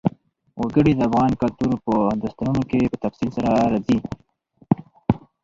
وګړي د افغان کلتور په داستانونو کې په تفصیل سره راځي.